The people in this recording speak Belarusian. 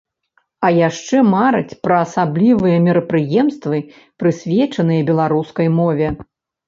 А яшчэ марыць пра асаблівыя мерапрыемствы, прысвечаныя беларускай мове.